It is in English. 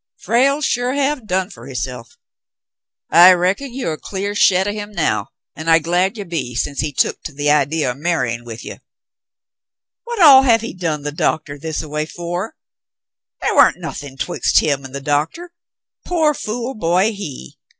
Frale sure have done for hisself . I reckon you are cl'ar shet o' him now, an' I'm glad ye be, since he done took to the idee o' marryin' with you. What all have he done the doctah this a way fer ^ The' wa'n't nothin' 'twixt him an' doctah. Pore fool boy he